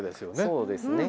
そうですね。